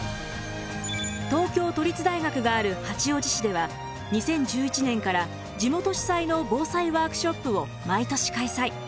東京都立大学がある八王子市では２０１１年から地元主催の防災ワークショップを毎年開催。